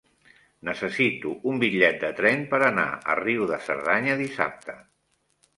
Necessito un bitllet de tren per anar a Riu de Cerdanya dissabte.